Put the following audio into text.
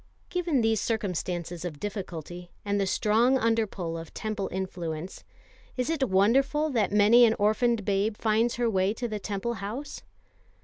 Given these circumstances of difficulty, and the strong under pull of Temple influence is it wonderful that many an orphaned babe finds her way to the Temple house?